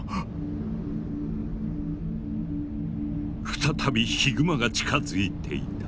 再びヒグマが近づいていた。